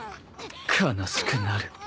悲しくなる。